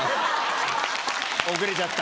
遅れちゃった？